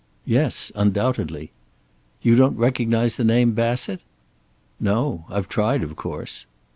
"Yes. Undoubtedly." "You don't recognize the name Bassett?" "No. I've tried, of course."